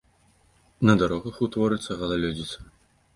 На дарогах утворыцца галалёдзіца.